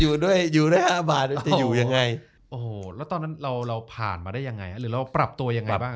อยู่ด้วย๕บาทจะอยู่ยังไง